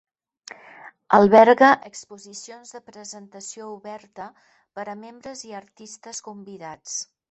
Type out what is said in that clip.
Alberga exposicions de presentació oberta per a membres i artistes convidats.